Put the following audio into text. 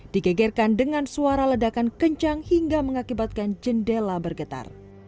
digegerkan dengan suara ledakan kencang hingga mengakibatkan jendela bergetar